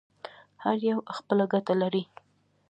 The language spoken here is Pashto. هر یو خپله ګټه لري.